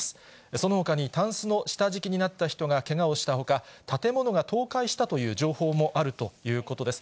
そのほかに、たんすの下敷きになった人がけがをしたほか、建物が倒壊したという情報もあるということです。